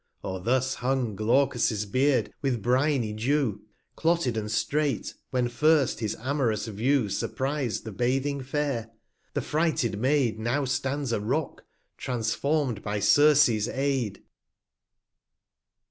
Or thus hung Glaucus Beard, with briny Dew 205 Clotted and strait, when first his am'rous View Surprised the bathing Fair ; the frighted Maid Now stands a Rock, transformed by Circes Aid.